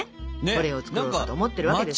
これを作ろうと思ってるわけですよ。